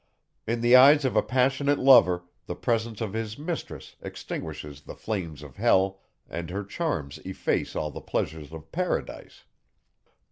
In the eyes of a passionate lover, the presence of his mistress extinguishes the flames of hell, and her charms efface all the pleasures of paradise.